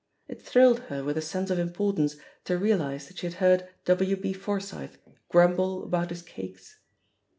It thrilled her with a sense of importance to realise that she had heard W. B^ Forsyth grumble about his cakes.